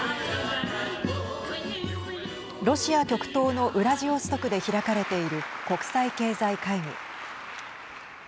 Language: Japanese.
ロシア極東のウラジオストクで開かれている国際経済会議。